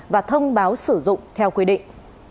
và thông báo sử dụng theo quy định